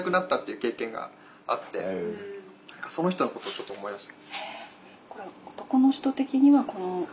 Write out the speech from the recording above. その人のことをちょっと思い出して。